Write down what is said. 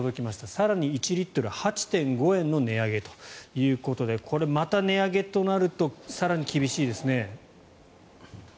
更に、１リットル８．５円の値上げということでこれはまた値上げとなると更に厳しいですね。